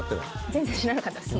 全然知らなかったです